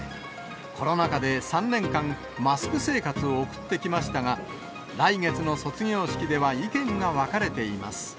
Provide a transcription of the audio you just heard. コロナ禍で３年間、マスク生活を送ってきましたが、来月の卒業式では、意見が分かれています。